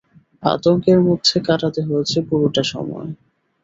আতঙ্কের মধ্যে কাটাতে হয়েছে পুরোটা সময়।